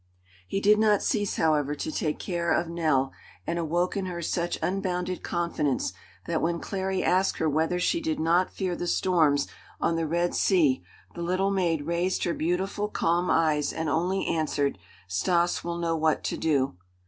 He did not cease, however, to take care of Nell and awoke in her such unbounded confidence that when Clary asked her whether she did not fear the storms on the Red Sea, the little maid raised her beautiful, calm eyes and only answered, "Stas will know what to do."